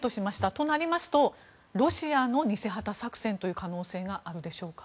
となりますとロシアの偽旗作戦という可能性があるでしょうか？